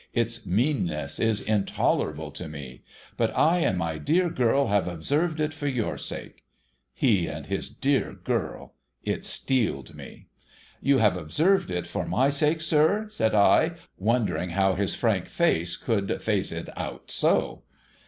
Its meanness is intolerable to me. But I and my dear girl have observed it for your sake.' He and his dear girl ! It steeled me. ' You have observed it for my sake, sir ?' said I, wondering how his frank face could face it out so.